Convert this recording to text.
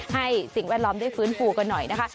สิ่งแวดล้อมได้ฟื้นฟูกันหน่อยนะคะ